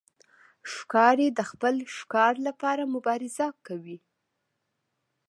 ښکاري د خپل ښکار لپاره مبارزه کوي.